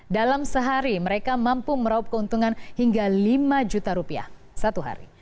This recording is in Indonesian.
dalam sehari mereka mampu meraup keuntungan hingga lima juta rupiah satu hari